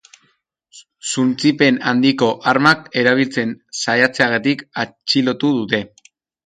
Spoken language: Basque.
Suntsipen handiko armak erabiltzen saiatzeagatik atxilotu dute.